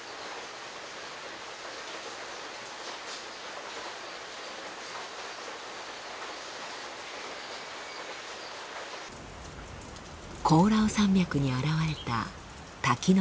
コオラウ山脈に現れた滝の白糸。